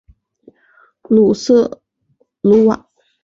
鲁瑟卢瓦。